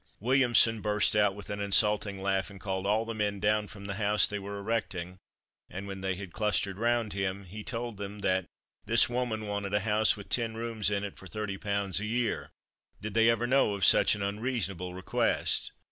Williamson burst out with an insulting laugh, and called all the men down from the house they were erecting, and when they had clustered round him he told them that "this woman wanted a house with ten rooms in it for 30 pounds a year! Did they ever know of such an unreasonable request?"